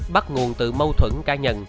bắt nguồn từ mâu thuẫn ca nhân